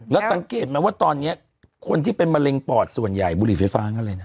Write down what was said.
แล้วสังเกตไหมว่าตอนนี้คนที่เป็นมะเร็งปอดส่วนใหญ่บุหรี่ไฟฟ้าอะไรนะ